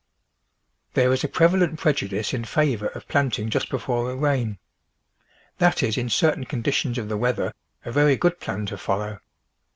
There is a prevalent i)i'ejudice in favour of planting just before a rain. That is, in certain con THE VEGETABLE GARDEN ditions of the weather, a very good plan to follow.